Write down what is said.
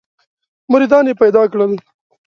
مریدان یې پیدا کړل.